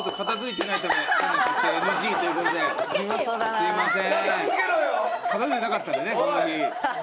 すみません。